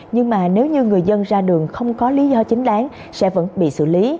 nhưng mà nếu như người dân ra đường không có lý do chính đáng sẽ vẫn bị xử lý